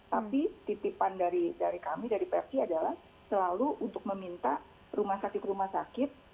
tapi titipan dari kami dari persi adalah selalu untuk meminta rumah sakit rumah sakit